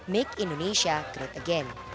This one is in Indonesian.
make indonesia great again